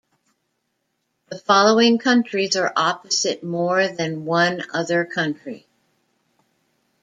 The following countries are opposite more than one other country.